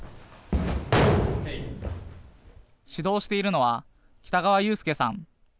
指導しているのは北川雄介さん。